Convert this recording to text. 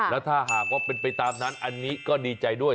แล้วถ้าหากว่าเป็นไปตามนั้นอันนี้ก็ดีใจด้วย